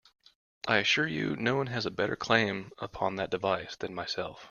I assure you, none has a better claim upon that device than myself.